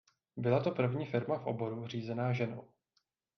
Byla to první firma v oboru řízená ženou.